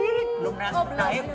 belum naik udah naik